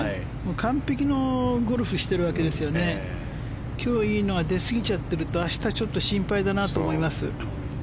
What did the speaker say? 完璧のゴルフをしてるわけですから今日いいのが出すぎちゃってると明日ちょっと心配だなと思います。